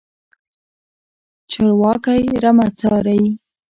چرواکی رمه څاري.